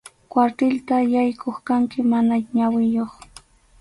Kwartilta yaykuq kanki mana ñawiyuq.